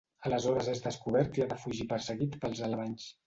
Aleshores és descobert i ha de fugir perseguit pels alemanys.